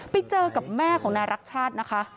ไปเจอกับแม่ของนายรักชาตินะคะ